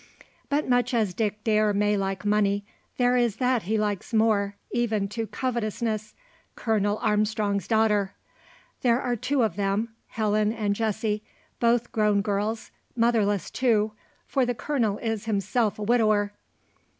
But much as Dick Darke may like money, there is that he likes more, even to covetousness Colonel Armstrong's daughter. There are two of them Helen and Jessie both grown girls, motherless too for the colonel is himself a widower.